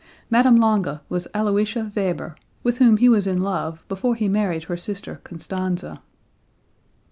Madame Lange was Aloysia Weber, with whom he was in love before he married her sister Constanze.)